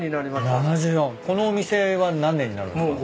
このお店は何年になるんすか？